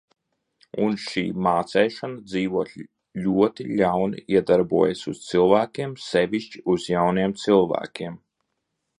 "Un šī "mācēšana" dzīvot ļoti ļauni iedarbojās uz cilvēkiem, sevišķi uz jauniem cilvēkiem."